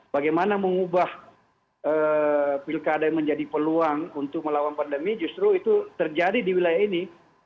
bagaimana mengubah pilkada yang menjadi peluang untuk melawan pandemi justru itu terjadi di wilayah ini